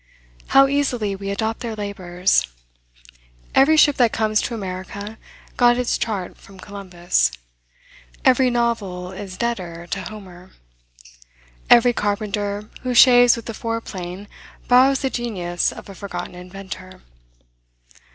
How easily we adopt their labors! Every ship that comes to America got its chart from Columbus. Every novel is debtor to Homer. Every carpenter who shaves with a foreplane borrows the genius of a forgotten inventor.